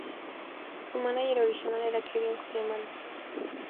Su mánager original era Kevin Coleman.